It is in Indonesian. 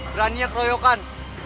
berani ya keroyokan